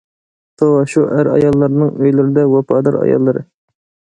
توۋا، شۇ ئەر-ئاياللارنىڭ ئۆيلىرىدە ۋاپادار ئاياللىرى.